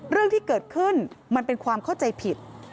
เรื่องที่เกิดขึ้นมันเป็นความเข้าใจผิด